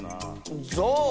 ゾウ？